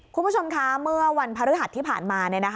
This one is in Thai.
คุณผู้ชมคะเมื่อวันพฤหัสที่ผ่านมา